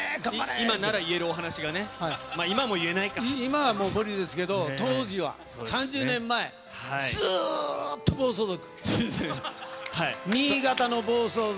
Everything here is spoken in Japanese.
今なら言えるお話がね、今はもう無理ですけど、当時は、３０年前、ずーっと暴走族。